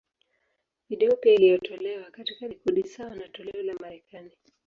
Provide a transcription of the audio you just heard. Video pia iliyotolewa, katika rekodi sawa na toleo la Marekani.